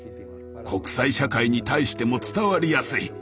国際社会に対しても伝わりやすい。